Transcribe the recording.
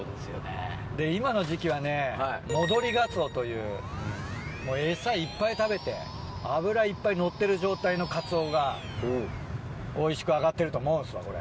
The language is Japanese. で今の時期はね戻りガツオというエサいっぱい食べて脂いっぱいのってる状態のカツオがおいしく揚がってると思うんですわこれ。